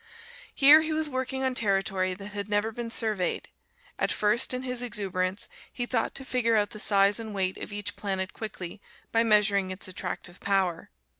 Here he was working on territory that had never been surveyed. At first, in his exuberance, he thought to figure out the size and weight of each planet quickly by measuring its attractive power.